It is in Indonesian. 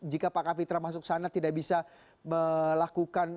jika pak kapitra masuk sana tidak bisa melakukan